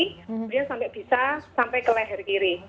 kemudian sampai bisa sampai ke leher kiri